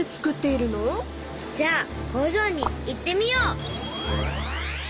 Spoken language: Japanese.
じゃあ工場に行ってみよう！